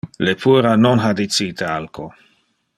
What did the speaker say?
Le puera non ha dicite alco.